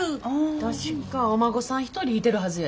確かお孫さん１人いてるはずやで。